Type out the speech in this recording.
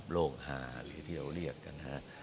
โลกหาหรือที่เราเรียกกันฮะ